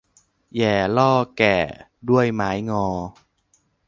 แหย่ล่อแก่ด้วยไม้งอ